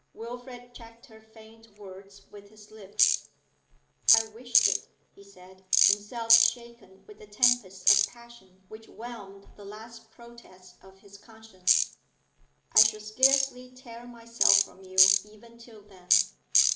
Wilfrid checked her faint words with his lips. 'I wish it,' he said, himself shaken with a tempest of passion which whelmed the last protest of his conscience. 'I shall scarcely tear myself from you even till then.